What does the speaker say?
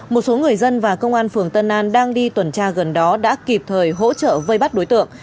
một số người dân và công an phường tân an đang đi tuần tra gần đó đã kịp thời hỗ trợ vây bắt đối tượng